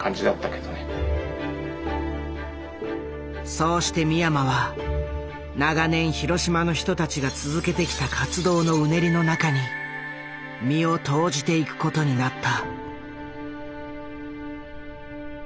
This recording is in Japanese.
そうして三山は長年広島の人たちが続けてきた活動のうねりの中に身を投じていくことになった。